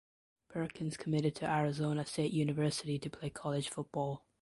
Perkins committed to Arizona State University to play college football.